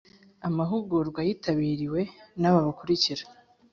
Amahugurwa yitabiriwe n aba bakurikira